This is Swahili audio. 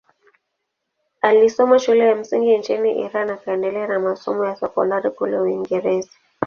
Alisoma shule ya msingi nchini Iran akaendelea na masomo ya sekondari kule Uingereza.